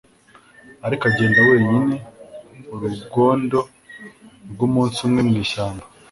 Ariko agenda wenyine urugwndo rwumunsi umwe mu ishyamba